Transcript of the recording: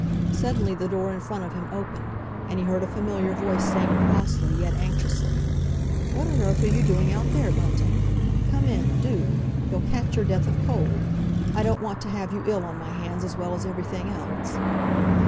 Suddenly the door in front of him opened, and he heard a familiar voice saying crossly, yet anxiously, "What on earth are you doing out there, Bunting? Come in—do! You'll catch your death of cold! I don't want to have you ill on my hands as well as everything else!"